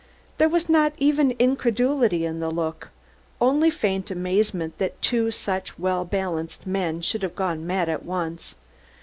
There was not even incredulity in the look, only faint amazement that two such well balanced men should have gone mad at once.